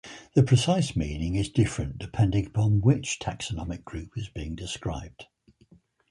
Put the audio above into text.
The precise meaning is different depending on which taxonomic group is being described.